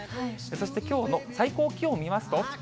そしてきょうの最高気温見ますと。